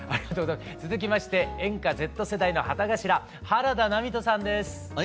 続きまして演歌Ｚ世代の旗頭原田波人さんです。